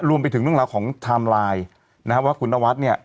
รวมไปถึงเรื่องราวของไทม์ไลน์นะครับว่าคุณนวัดเนี่ย